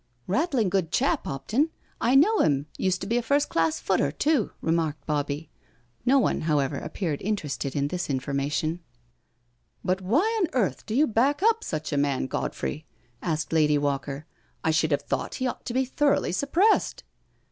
" Rattling good chap, Hopton. I know him— used to be a first class footer too," remarked Bobbie. No one, however, appeared interested in this information. " But why on earth do you back up^ such a man, BRACKENHtLL HALL 33 Godfrey?" asked Lady Walker. *' I should have thought he ought to be thoroughly suppressed.'